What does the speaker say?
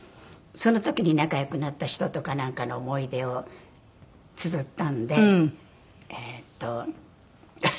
その時に仲良くなった人とかなんかの思い出をつづったんで。